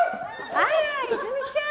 あら泉ちゃん